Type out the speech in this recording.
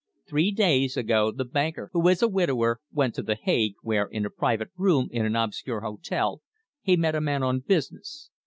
Three days ago the banker, who is a widower, went to The Hague, where in a private room in an obscure hotel, he met a man on business.